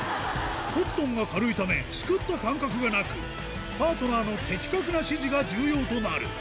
コットンが軽いため、すくった感覚がなく、パートナーの的確な指示が重要となる。